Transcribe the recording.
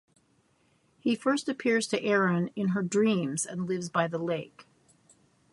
He first appears to Aerin in her dreams and lives by the lake.